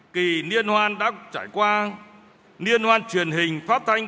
một mươi hai kỳ liên hoan đã trải qua liên hoan truyền hình phát thanh